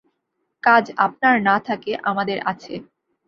কাজ আপনার না থাকে আমাদের আছে।